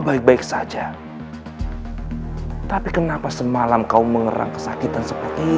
jadi teman saya atau saya terutamanya tidak tahu kan apa ini